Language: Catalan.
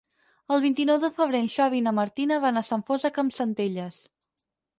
El vint-i-nou de febrer en Xavi i na Martina van a Sant Fost de Campsentelles.